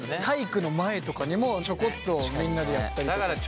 体育の前とかにもちょこっとみんなでやったりとか。